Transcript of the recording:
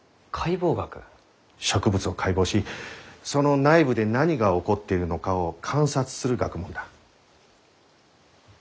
植物を解剖しその内部で何が起こっているのかを観察する学問だ。